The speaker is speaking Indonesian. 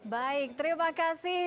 baik terima kasih